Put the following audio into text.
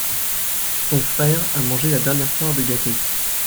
tont frère a mangé la dernière part de gâteau.